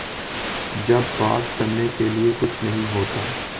جب بات کرنے کیلئے کچھ نہیں ہوتا۔